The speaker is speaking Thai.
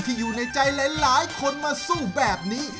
อยู่ในใจหลายคนมาสู้แบบนี้